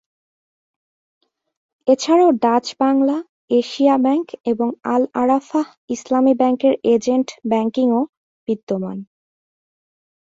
এছাড়াও Dutch Bangla, Asia bank এবং আল-আরাফাহ ইসলামি ব্যাংকের এজেন্ট ব্যাংকিং ও বিদ্যমান।